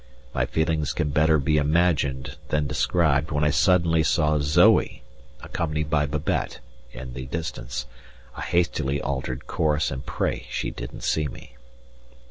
My feelings can better be imagined than described when I suddenly saw Zoe, accompanied by Babette, in the distance. I hastily altered course, and pray she didn't see me.